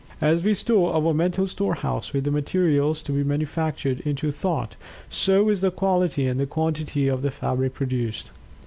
As we store our mental storehouse with the materials to be manufactured into thought, so is the quality and quantity of the fabric produced.